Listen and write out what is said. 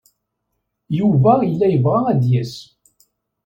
Yuba yella yebɣa ad d-yas.